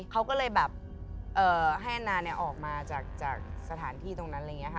เขาก็เลยแบบให้อันนั้นออกมาจากสถานที่ตรงนั้น